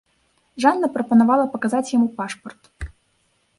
Жанна прапанавала паказаць яму пашпарт.